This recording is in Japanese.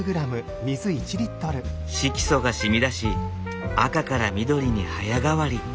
色素が染み出し赤から緑に早変わり。